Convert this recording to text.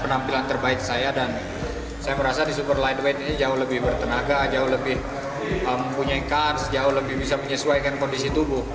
penampilan terbaik saya dan saya merasa di super lightweight ini jauh lebih bertenaga jauh lebih mempunyai kars jauh lebih bisa menyesuaikan kondisi tubuh